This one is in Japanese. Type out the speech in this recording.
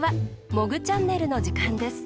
「モグチャンネル」のじかんです。